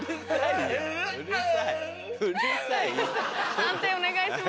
判定お願いします。